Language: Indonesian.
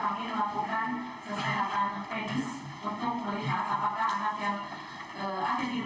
kami disatukan akan ada hal hal yang memang memperlukan lebih fisik